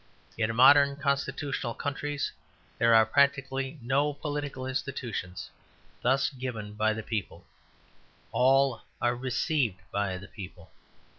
In modern constitutional countries there are practically no political institutions thus given by the people; all are received by the people.